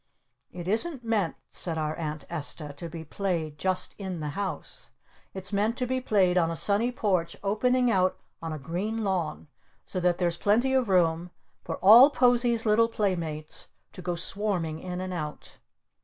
"It isn't meant," said our Aunt Esta, "to be played just in the house. It's meant to be played on a sunny porch opening out on a green lawn so that there's plenty of room for all Posie's little playmates to go swarming in and out."